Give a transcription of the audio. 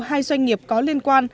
hai doanh nghiệp có liên quan